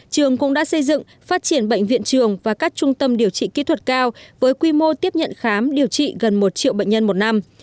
trường cũng đã xây dựng phát triển bệnh viện trường và các trung tâm điều trị kỹ thuật cao với quy mô tiếp nhận khám điều trị gần một triệu bệnh nhân một năm